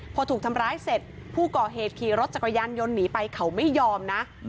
พอถูกทำร้ายเสร็จผู้ก่อเหตุขี่รถจักรยานยนต์หนีไปเขาไม่ยอมนะ